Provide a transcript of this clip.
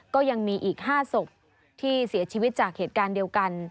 ก็ยังมีอีก๕ศพที่เสียชีวิตจากเหตุการณ์เดียวกัน